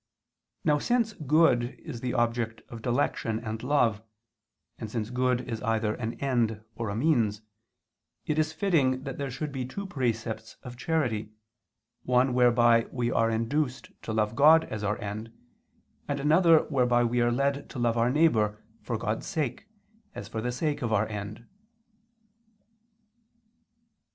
Now since good is the object of dilection and love, and since good is either an end or a means, it is fitting that there should be two precepts of charity, one whereby we are induced to love God as our end, and another whereby we are led to love our neighbor for God's sake, as for the sake of our end.